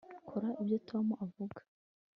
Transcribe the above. kora ibyo tom avuga